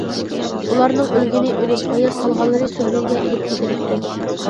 ئۇلارنىڭ ئۆلگىنى ئۆلۈپ، ھايات قالغانلىرى سۈرگۈنگە ئېلىپ كېتىلىپتۇ.